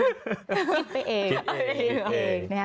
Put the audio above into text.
คิดไปเอง